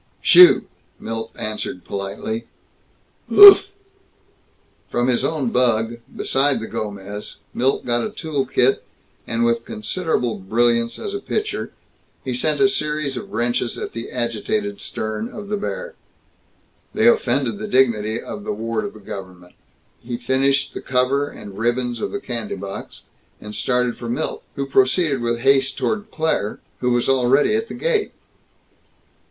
"Shoo!" Milt answered politely. "Llooffll!" From his own bug, beside the Gomez, Milt got a tool kit, and with considerable brilliance as a pitcher he sent a series of wrenches at the agitated stern of the bear. They offended the dignity of the ward of the Government. He finished the cover and ribbons of the candy box, and started for Milt ... who proceeded with haste toward Claire ... who was already at the gate.